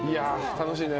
楽しいね。